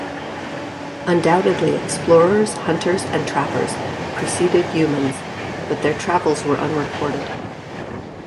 Undoubtedly explorers, hunters, and trappers preceded Youmans, but their travels were unrecorded.